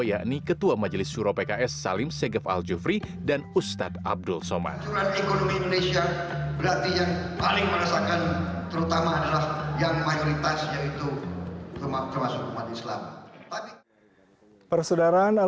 yakni ketua majelis suro pks salim segef al jufri dan ustadz abdul somad